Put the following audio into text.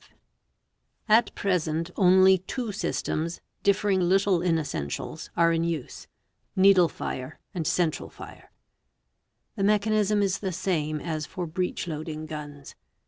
REVOLVERS 433 At present only two systems, differing little in essentials, are in use— needle fire and central fire. The mechanism is the same as for breech loading guns.